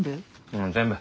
うん全部。